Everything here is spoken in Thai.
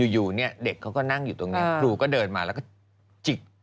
อยู่เนี่ยเด็กเขาก็นั่งอยู่ตรงนี้ครูก็เดินมาแล้วก็จิก